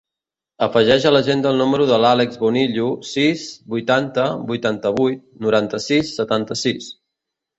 Afegeix a l'agenda el número de l'Àlex Bonillo: sis, vuitanta, vuitanta-vuit, noranta-sis, setanta-sis.